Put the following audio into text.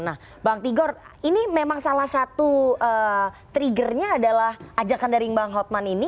nah bang tigor ini memang salah satu triggernya adalah ajakan dari bang hotman ini